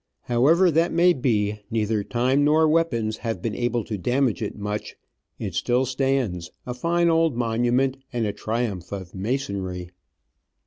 However that may be, neither time nor weapons have been able to damage it much ; it still stands, a fine old monument and a triumph of masonry.